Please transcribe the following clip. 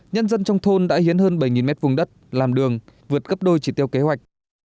nhân dân trong thôn đã hiến hơn bảy m hai đất làm đường vượt cấp đôi chỉ tiêu kế hoạch